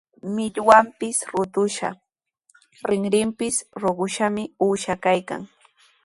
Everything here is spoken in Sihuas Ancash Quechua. Millwanpis rutushqa, rinrinpis ruqushqami uusha kaykan.